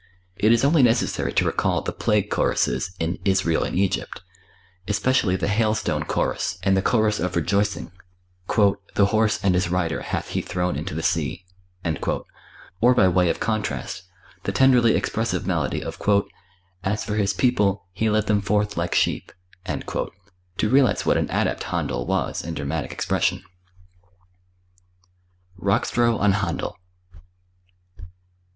It is only necessary to recall the "Plague Choruses" in "Israel in Egypt," especially the "Hail Stone Chorus" and the chorus of rejoicing ("The horse and his rider hath He thrown into the sea"); or by way of contrast, the tenderly expressive melody of "As for His people, He led them forth like sheep," to realize what an adept Händel was in dramatic expression. Rockstro on Händel.